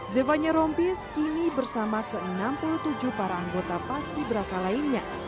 zevanya rompis kini bersama ke enam puluh tujuh para anggota paski beraka lainnya